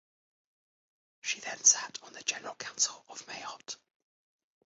She then sat on the general council of Mayotte.